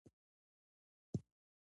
تعميرونه په جوړولو کی انجنیر ضروري ده.